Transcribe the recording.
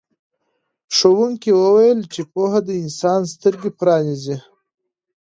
ښوونکي وویل چې پوهه د انسان سترګې پرانیزي.